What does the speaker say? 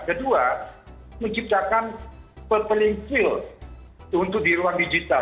kedua menciptakan pepelincil untuk di ruang digital